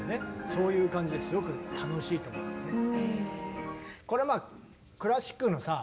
そういう感じですごく楽しいと思うんだよね。